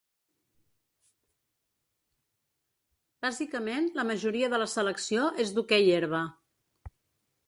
Bàsicament la majoria de la selecció és d’hoquei herba.